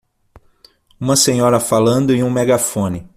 Uma senhora falando em um megafone.